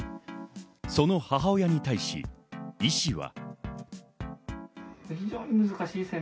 その母親に対し、医師は。